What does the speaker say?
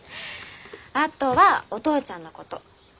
あとはお父ちゃんのこと。